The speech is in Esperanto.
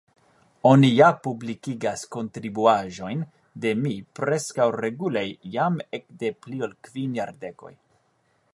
Oni ja publikigas kontribuaĵojn de mi preskaŭ regule jam ekde pli ol kvin jardekoj.